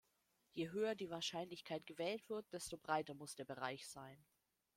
Je höher die Wahrscheinlichkeit gewählt wird, desto breiter muss der Bereich sein.